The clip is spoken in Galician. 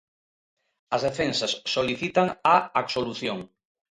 As defensas solicitan a absolución.